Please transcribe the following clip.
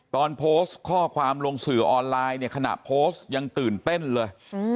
ตอนโพสต์ข้อความลงสื่อออนไลน์เนี่ยขณะโพสต์ยังตื่นเต้นเลย